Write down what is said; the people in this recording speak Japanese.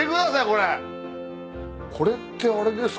これってあれですか？